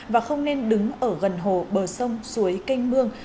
và không nên đứng ở gần hồ bờ sông suối canh mương